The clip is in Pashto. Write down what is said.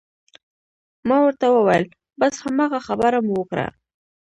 ما ورته وویل: بس هماغه خبره مو وکړه.